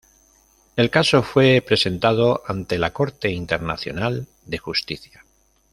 El caso fue presentado ante la Corte Internacional de Justicia.